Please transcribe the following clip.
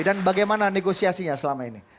bagaimana negosiasinya selama ini